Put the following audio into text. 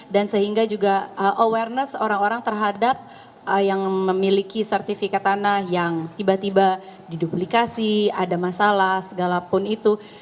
dan sehingga juga awareness orang orang terhadap yang memiliki sertifikat tanah yang tiba tiba diduplikasi ada masalah segala pun itu